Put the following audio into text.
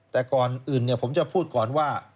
แต่ก่อนอื่นผมจะพูดก่อนว่า